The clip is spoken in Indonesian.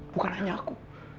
bukan hanya aku